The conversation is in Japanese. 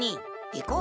行こう。